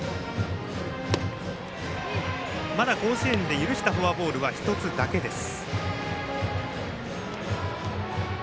まだ甲子園で許したフォアボールは１つだけです。